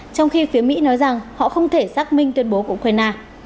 trong khi phía mỹ nói rằng họ không thể xác minh tuyên bố của ukraine